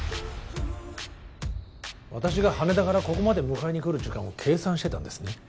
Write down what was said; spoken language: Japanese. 私が羽田からここまで迎えに来る時間を計算してたんですね？